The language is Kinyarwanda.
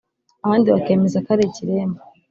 abandi bakemeza ko ari ikiremba